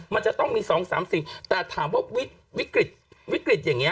มันจะต้องมี๒๓สิ่ง